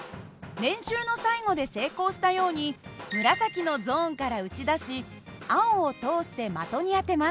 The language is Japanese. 練習の最後で成功したように紫のゾーンから撃ち出し青を通して的に当てます。